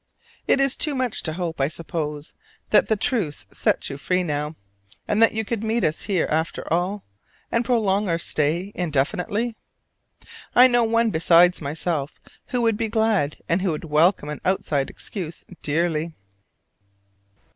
It is too much to hope, I suppose, that the "truce" sets you free now, and that you could meet us here after all, and prolong our stay indefinitely? I know one besides myself who would be glad, and would welcome an outside excuse dearly.